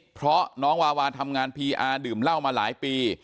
เพราะน้องวาวาทำงานพีอาร์ดื่มเหล้ามาหลายปี